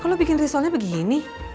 kok lo bikin risolnya begini